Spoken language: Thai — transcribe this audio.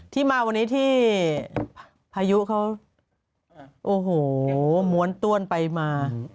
ที่มาวันนี้ที่พายุเขาโอ้โหม้วนต้วนไปมา